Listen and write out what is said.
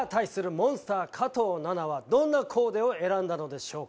モンスター加藤ナナはどんなコーデを選んだのでしょうか？